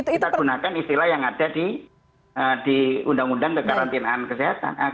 kita gunakan istilah yang ada di undang undang kekarantinaan kesehatan